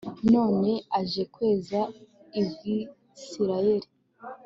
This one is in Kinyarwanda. none aje kweza i bwisirayeli